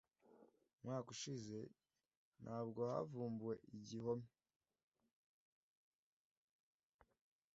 umwaka ushize nabwo havumbuwe igihome